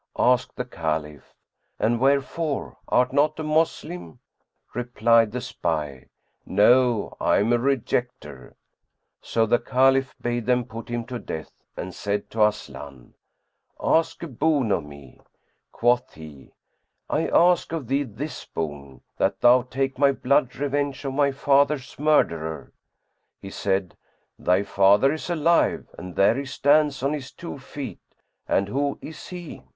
Asked the Caliph "And wherefore? Art not a Moslem?" Replied the spy; "No' I am a Rejecter.''[FN#113] So the Caliph bade them put him to death and said to Aslan, "Ask a boon of me." Quoth he, "I ask of thee this boon, that thou take my blood revenge on my father's murderer." He said, "Thy father is alive and there he stands on his two feet." "And who is he?"